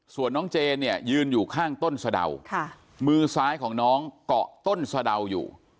ส่วนน้องเจนเนี่ยยืนอยู่ข้างต้นสะเดามือซ้ายของน้องเกาะต้นสะเดาอยู่